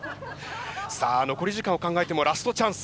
さあ残り時間を考えてもラストチャンス。